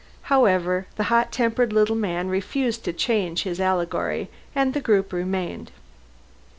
However, the hot tempered little man refused to change his allegory and the group remained.